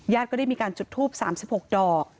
ก็ได้มีการจุดทูป๓๖ดอก